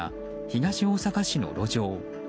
東大阪市の路上